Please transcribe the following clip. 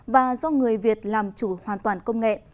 và do người việt làm chủ hoàn toàn công nghệ